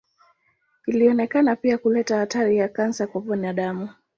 Ilionekana pia kuleta hatari ya kansa kwa binadamu.